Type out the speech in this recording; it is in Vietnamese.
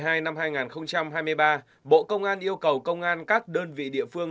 theo đó từ ngày một mươi năm tháng một mươi hai năm hai nghìn hai mươi ba bộ công an yêu cầu công an các đơn vị địa phương